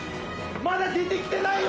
まだ出てきてないよ